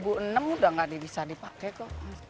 dua ribu enam udah gak bisa dipakai kok